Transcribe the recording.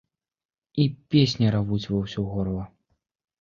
І песні равуць ва ўсё горла.